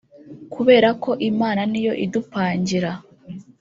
kubera ko Imana niyo idupangira